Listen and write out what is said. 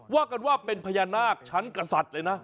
ว่ากันว่าเป็นพญานาคชั้นกษัตริย์เลยนะ